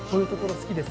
好きです。